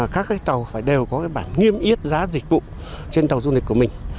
các tàu phải đều có cái bản nghiêm yết giá dịch vụ trên tàu du lịch của mình